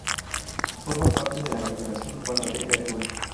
Forma parte de la aglomeración urbana de Verdún.